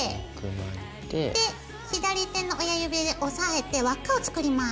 左手の親指で押さえて輪っかを作ります。